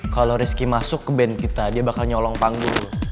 kalau rizky masuk ke band kita dia bakal nyolong panggung